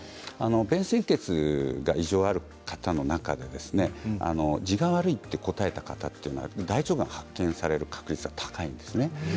便潜血が異常がある方の中でじが悪いと答えた方は大腸がんが発見される確率が高いんです。